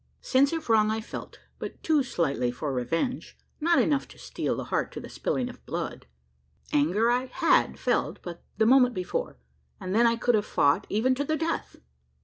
Sense of wrong I felt, but too slightly for revenge not enough to steel the heart to the spilling of blood. Anger I had felt but the moment before; and then I could have fought, even to the death!